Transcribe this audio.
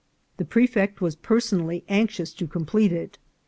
The prefect was personally anxious to com plete it.